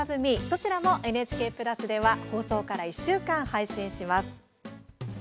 どちらもＮＨＫプラスでは放送から１週間、配信します。